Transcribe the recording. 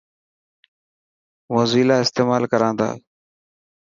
موزيلا استيمال ڪران تا.